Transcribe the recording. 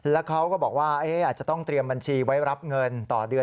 แล้วเขาก็บอกว่าอาจจะต้องเตรียมบัญชีไว้รับเงินต่อเดือน